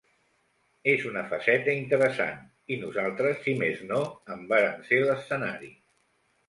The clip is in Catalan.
És una faceta interessant i nosaltres, si més no, en vàrem ser l’escenari.